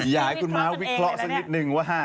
อยากให้คุณม้าวิเคราะห์สักนิดนึงว่า